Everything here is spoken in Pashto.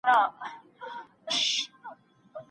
مستري په اوږه باندي ګڼ توکي راوړي وو.